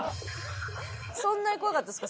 そんなに怖かったですか？